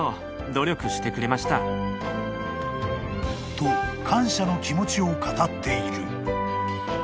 ［と感謝の気持ちを語っている］